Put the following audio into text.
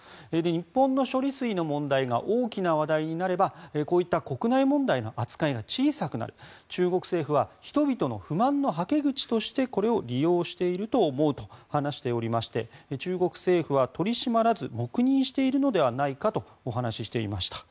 日本の処理水の問題が大きな話題になればこういった国内問題の扱いが小さくなる中国政府は人々の不満のはけ口としてこれを利用していると思うと話しておりまして中国政府は取り締まらず黙認しているのではないかとお話していました。